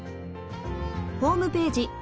ホームページ